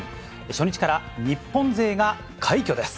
初日から日本勢が快挙です。